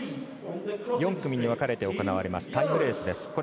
４組に分かれて行われるタッグレースです。